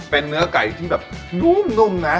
เป็นเนื้อไก่ที่แบบนุ่มนะ